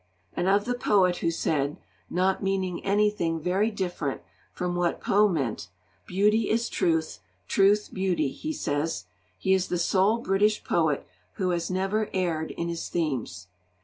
And of the poet who said, not meaning anything very different from what Poe meant, 'Beauty is truth, truth beauty,' he says: 'He is the sole British poet who has never erred in his themes.'